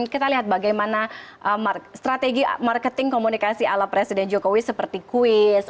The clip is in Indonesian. kita lihat bagaimana strategi marketing komunikasi ala presiden jokowi seperti kuis